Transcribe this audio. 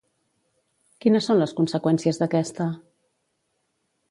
Quines són les conseqüències d'aquesta?